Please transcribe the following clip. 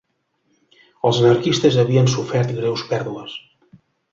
Els anarquistes havien sofert greus pèrdues